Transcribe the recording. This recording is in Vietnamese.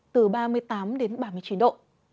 từ ba mươi tám ba mươi chín độ